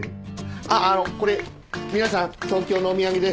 あっあのこれ皆さん東京のお土産です。